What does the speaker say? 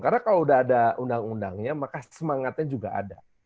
karena kalau udah ada undang undangnya maka semangatnya juga ada